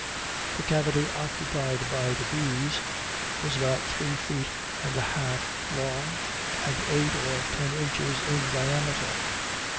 The cavity occupied by the bees was about three feet and a half long and eight or ten inches in diameter.